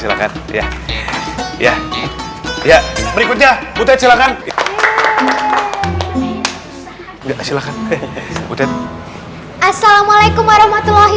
silakan ya ya ya berikutnya butet silakan enggak silakan butet assalamualaikum warahmatullahi